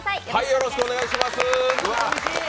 よろしくお願いします。